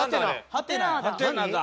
ハテナだ。